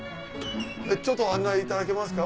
ちょっと案内いただけますか？